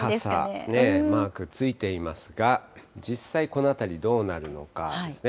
傘マークついていますが、実際、このあたりどうなるのかですね。